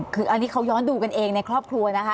คืออันนี้เขาย้อนดูกันเองในครอบครัวนะคะ